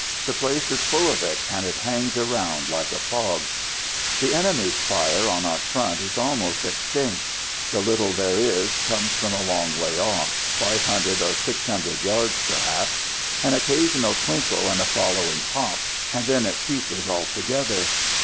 The place is full of it, and it hangs around like a fog. The enemy's fire on our front is almost extinct. The little there is comes from a long way off 500 or 600 yards, perhaps. An occasional twinkle and a following pop! and then it ceases altogether.